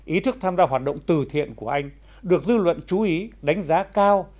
ý thức tham gia hoạt động từ thiện của anh được dư luận chú ý đánh giá cao